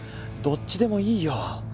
どっちでもいいよ。